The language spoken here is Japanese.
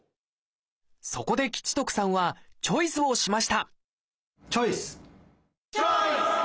そこで吉徳さんはチョイスをしましたチョイス！